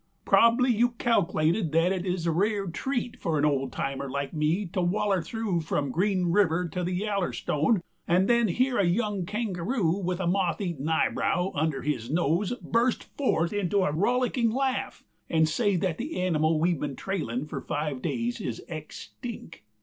Probly you cacklate that it is a rare treat for an old timer like me to waller through from Green River to the Yallerstone and then hear a young kangaroo with a moth eaten eyebrow under his nose burst forth into a rollicking laugh and say that the animal we've been trailin' for five days is extinck.